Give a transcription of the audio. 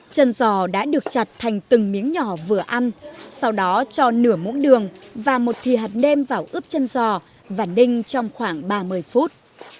chân giò đã được chặt thành từng miếng nhỏ vừa ăn sau đó cho nửa mũ đường và một thi hạt đêm vào ướp chân giò và ninh trong khoảng ba mươi phút